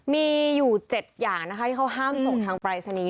มีอยู่๗อย่างนะคะที่เขาห้ามส่งทางปรายศนีย์